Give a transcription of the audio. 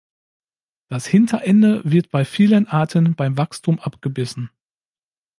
Das Hinterende wird bei vielen Arten beim Wachstum abgebissen.